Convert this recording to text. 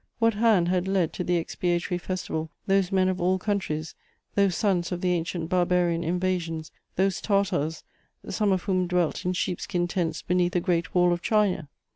What hand had led to the expiatory festival those men of all countries, those sons of the ancient barbarian invasions, those Tartars, some of whom dwelt in sheep skin tents beneath the Great Wall of China?